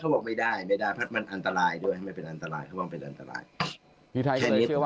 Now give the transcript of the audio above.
เค้าบอกไม่ได้ป๊อบมันอันตรายด้วยมั้ยเป็นอันตราย